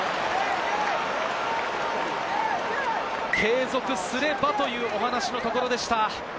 継続すればというお話のところでした。